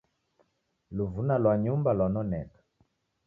Luvuna lwa nyumba lwanoneka